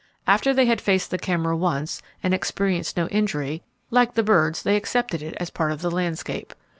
After they had faced the camera once, and experienced no injury, like the birds, they accepted it as part of the landscape.